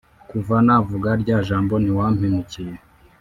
kuva navuga rya jambo ntiwampemukiye